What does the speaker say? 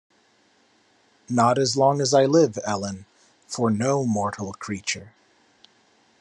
Not as long as I live, Ellen: for no mortal creature.